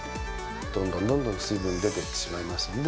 どんどんどんどん水分出てってしまいますので